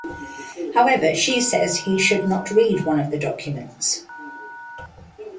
However she says he should not read one of the documents.